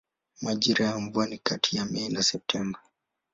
Majira ya mvua ni kati ya Mei na Septemba.